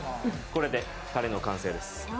これでタレの完成です。